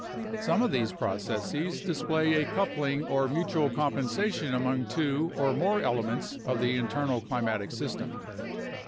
Some of these processes dis play a coupling or mutual compensation among two (or more) elements of the internal climatic system.